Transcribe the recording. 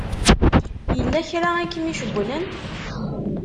Yella kra i kem-icewwlen?